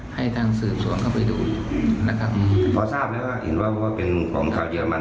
ให้ทางสืบสวนเข้าไปดูนะครับพอทราบแล้วก็เห็นว่าเป็นของข่าวเยอรมัน